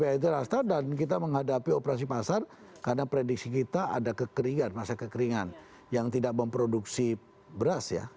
b itu rasa dan kita menghadapi operasi pasar karena prediksi kita ada kekeringan masa kekeringan yang tidak memproduksi beras ya